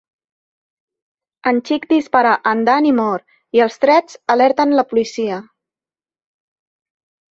En Chick dispara a en Dan i mor, i els trets alerten la policia.